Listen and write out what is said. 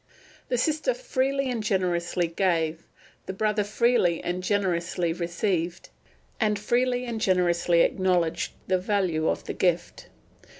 The sister freely and generously gave, the brother freely and generously received, and freely and generously acknowledged the value of the gift.